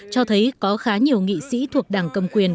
cho thấy có khá nhiều nghị sĩ thuộc đảng cầm quyền